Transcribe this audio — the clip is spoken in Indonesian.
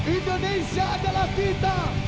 indonesia adalah kita